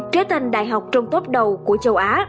trở thành đại học trong tốp đầu của châu á